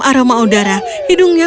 aroma udara hidungnya